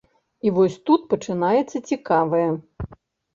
І вось тут пачынаецца цікавае.